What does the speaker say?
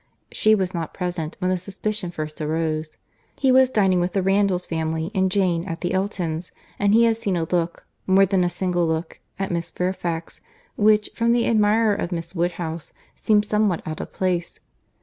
She was not present when the suspicion first arose. He was dining with the Randalls family, and Jane, at the Eltons'; and he had seen a look, more than a single look, at Miss Fairfax, which, from the admirer of Miss Woodhouse, seemed somewhat out of place.